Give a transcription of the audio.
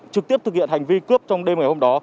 trực tiếp thực hiện hành vi cướp trong đêm ngày hôm đó